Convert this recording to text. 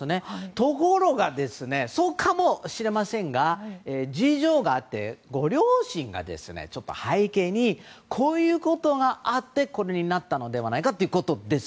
ところが、そうかもしれませんが事情があってご両親の背景でこういうことがあってこれになったのではないかということです。